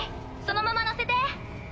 そのままのせて。